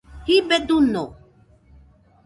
jibe duño